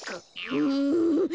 うん。